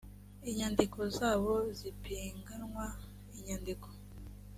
inyandiko zabo z ipiganwa inyandiko